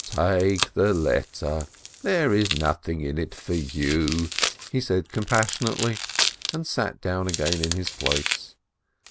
"Take the letter, there is nothing in it for you," he said compassionately, and sat down again in his place.